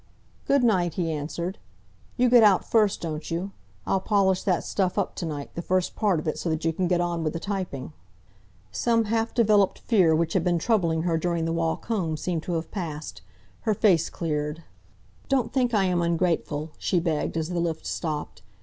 "Good night!" he answered. "You get out first, don't you? I'll polish that stuff up to night, the first part of it, so that you can get on with the typing." Some half developed fear which had been troubling her during the walk home, seemed to have passed. Her face cleared. "Don't think I am ungrateful," she begged, as the lift stopped.